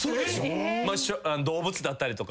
動物だったりとか。